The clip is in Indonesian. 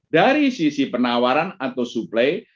dari sisi penawaran atau suplai